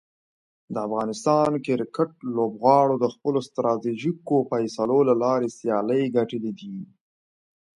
د افغانستان کرکټ لوبغاړو د خپلو ستراتیژیکو فیصلو له لارې سیالۍ ګټلي دي.